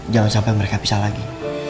jangan sampai mereka pisah lagi